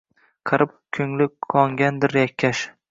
Qarib koʼngli qongandir yakkash.